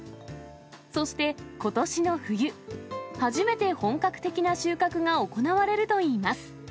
そして、ことしの冬、初めて本格的な収穫が行われるといいます。